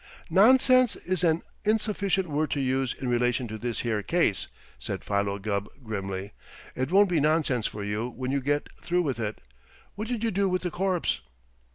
"Nonsense is an insufficient word to use in relation to this here case," said Philo Gubb grimly. "It won't be nonsense for you when you get through with it. What did you do with the corpse?"